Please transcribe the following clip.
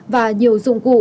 và nhiều dụng cụ